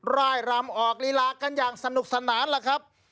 ร่ายรำออกลีลากันอย่างสนุกสนานล่ะครับ